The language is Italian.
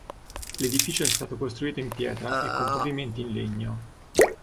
L'edificio è stato costruito in pietra e con un pavimenti in legno.